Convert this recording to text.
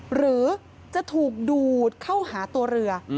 หรือจะถูกดูดเข้าหาตัวเรือ